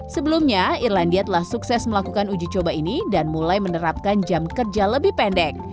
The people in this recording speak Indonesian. sebelumnya irlandia telah sukses melakukan uji coba ini dan mulai menerapkan jam kerja lebih pendek